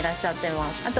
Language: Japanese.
あと。